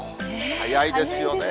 早いですね。